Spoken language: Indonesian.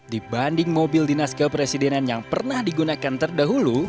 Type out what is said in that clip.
dibanding mobil dinas kepresidenan yang pernah digunakan terdahulu